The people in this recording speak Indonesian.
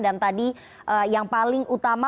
dan tadi yang paling utama